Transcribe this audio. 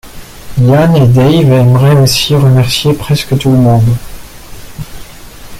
Ian et Dave aimeraient aussi remercier presque tout le monde.